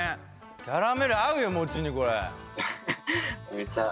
キャラメル合うよ餅にこれ。